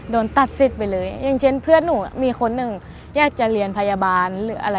โดนตัดสิทธิ์ไปเลยอย่างเช่นเพื่อนหนูมีคนหนึ่งอยากจะเรียนพยาบาลหรืออะไร